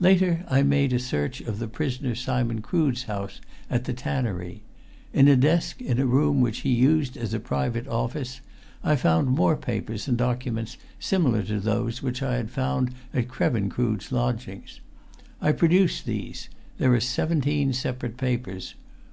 "Later, I made a search of the prisoner Simon Crood's house at the Tannery. In a desk in a room which he uses as a private office I found more papers and documents similar to those which I had found at Krevin Crood's lodgings. I produce these there are seventeen separate papers.